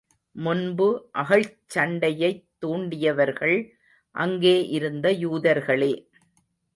முன்பு அகழ்ச் சண்டையைத் தூண்டியவர்கள் அங்கே இருந்த யூதர்களே.